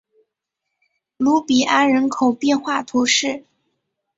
卢比安人口变化图示